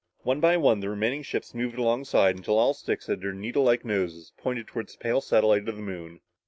One by one the remaining ships moved alongside until all six had their needlelike noses pointed toward the pale satellite of the Moon.